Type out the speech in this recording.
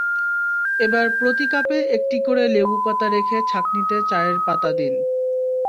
এবার প্রতি কাপে একটি করেলেবু পাতা রেখে ছাঁকনিতে চায়ের পাতা দিন।